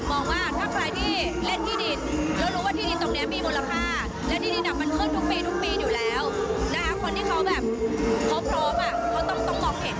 คือหญิงมองไปเลยว่าใครในปี๖๒เนี่ยเหลืออีกไม่กี่วันเนอะ